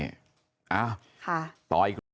เอาต่ออีก